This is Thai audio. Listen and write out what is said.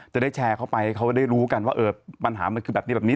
จะได้แชร์เข้าไปเข้าได้รู้กันว่ามันคือแบบนี้